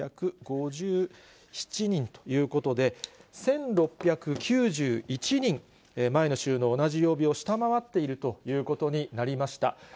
３３５７人ということで、１６９１人、前の週の同じ曜日を下回っているということになりました。